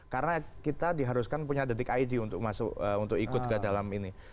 karena kita diharuskan punya detik id untuk masuk untuk ikut ke dalam ini